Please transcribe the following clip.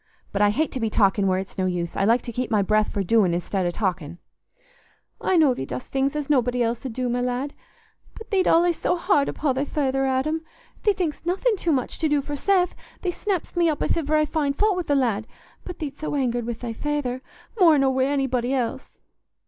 But I hate to be talking where it's no use: I like to keep my breath for doing i'stead o' talking." "I know thee dost things as nobody else 'ud do, my lad. But thee't allays so hard upo' thy feyther, Adam. Thee think'st nothing too much to do for Seth: thee snapp'st me up if iver I find faut wi' th' lad. But thee't so angered wi' thy feyther, more nor wi' anybody else."